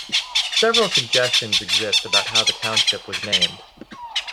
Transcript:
Several suggestions exist about how the township was named.